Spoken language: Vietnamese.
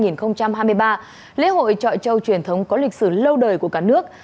năm hai nghìn hai mươi ba lễ hội trọi trâu truyền thống có lịch sử lâu đời của cả nước